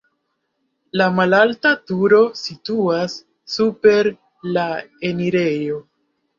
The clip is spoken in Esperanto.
La malalta turo situas super la enirejo.